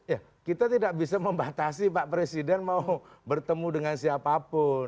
ya kita tidak bisa membatasi pak presiden mau bertemu dengan siapapun